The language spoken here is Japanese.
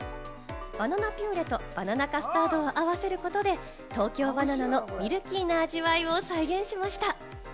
バナナピューレとバナナカスタードを合わせることで、東京ばな奈のミルキーな味わいを再現しました。